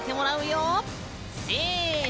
せの！